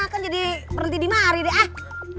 kan jadi berhenti dimari deh ah